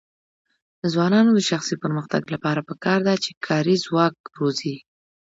د ځوانانو د شخصي پرمختګ لپاره پکار ده چې کاري ځواک روزي.